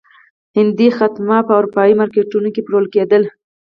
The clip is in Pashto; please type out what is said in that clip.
هندي خامتا په اروپايي مارکېټونو کې پلورل کېدل.